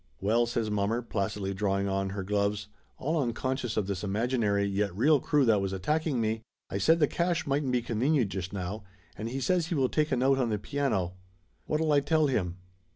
"Well," says mommer, placidly drawing on her gloves, all unconscious of this imaginary yet real crew that was attacking me, "I said the cash mightn't be convenient just now, and he says he will take a note on the piano. What'll I tell him